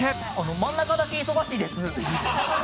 真ん中だけ忙しいです。